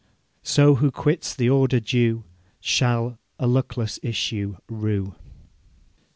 So who quits the order due Shall a luckless issue rue.